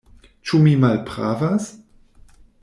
Ĉu mi malpravas?